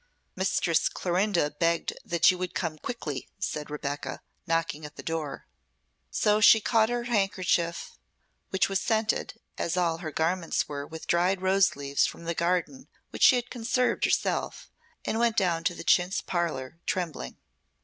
"Mistress Clorinda begged that you would come quickly," said Rebecca, knocking at the door. So she caught her handkerchief, which was scented, as all her garments were, with dried rose leaves from the garden, which she had conserved herself, and went down to the chintz parlour trembling.